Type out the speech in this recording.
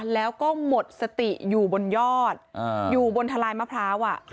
แล้วก็หมดสติอยู่บนยอดอยู่บนทะลายมะพร้าว